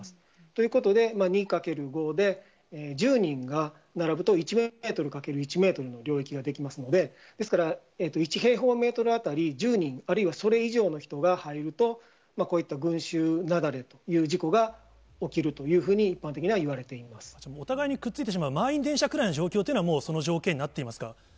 ということで、２かける５で１０人が並ぶと、１メートルかける１メートルの領域が出来ますので、ですから１平方メートル当たり１０人、あるいはそれ以上の人が入ると、こういった群集雪崩という事故が起きるというふうに、一般的にはお互いにくっついてしまう、満員電車くらいの状況というのは、もうその条件になっていますか？